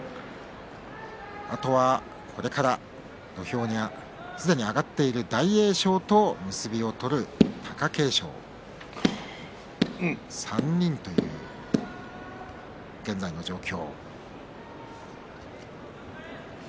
あとは、これから土俵にすでに上がっている大栄翔と結びを取る貴景勝の３人という現在の状況。